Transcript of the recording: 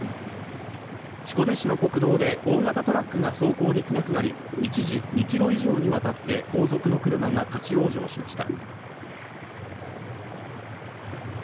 彦根市の国道で大型トラックが走行できなくなり、一時２ｋｍ以上にわたって後続の車が立往生しました。